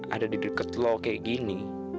ada di deket lu kaya gini